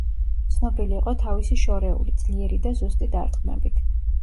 ცნობილი იყო თავისი შორეული, ძლიერი და ზუსტი დარტყმებით.